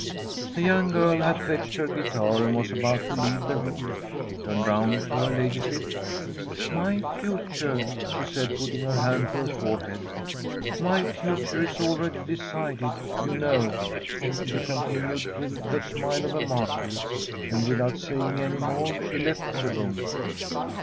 The young girl had fetched her guitar and was about to leave the room. She turned round to her ladyship. From a SWEDISH HOMESTEAD * My future ?' she said, putting her hand to her forehead. * My future is already decided, you know,' she continued, with the smile of a martyr; and without saying any more she left the room.